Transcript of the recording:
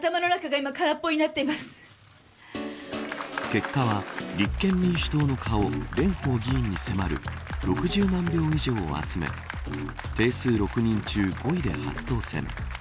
結果は、立憲民主党の顔蓮舫議員に迫る６０万票以上を集め定数６人中５位で初当選。